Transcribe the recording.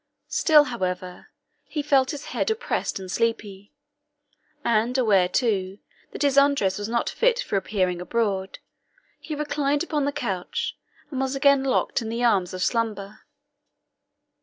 Still, however, he felt his head oppressed and sleepy; and aware, too, that his undress was not fit for appearing abroad, he reclined upon the couch, and was again locked in the arms of slumber.